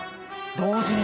同時に。